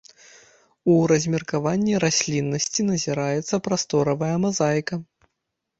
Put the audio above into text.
У размеркаванні расліннасці назіраецца прасторавая мазаіка.